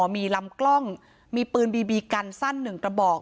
มีลำกล้องมีปืนบีบีกันสั้น๑กระบอก